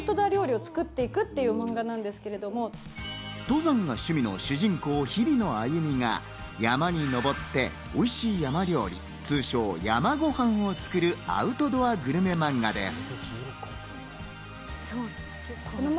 登山が趣味の主人公・日比野鮎美が山に登って、おいしい山料理、通称・山ごはんを作る、アウトドアグルメマンガです。